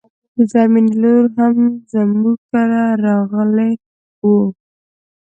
د زرمينې لور هم زموږ کره راغلی و